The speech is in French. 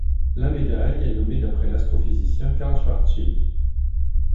La médaille est nommé d'après l'astrophysicien Karl Schwarzschild.